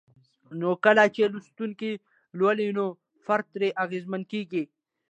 نو کله چې لوستونکي لولي نو فرد ترې اغېزمن کيږي